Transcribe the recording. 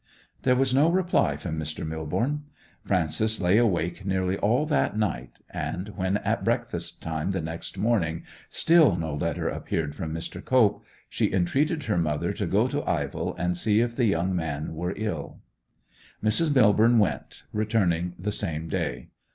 There was no reply from Mr. Millborne. Frances lay awake nearly all that night, and when at breakfast time the next morning still no letter appeared from Mr. Cope, she entreated her mother to go to Ivell and see if the young man were ill. Mrs. Millborne went, returning the same day.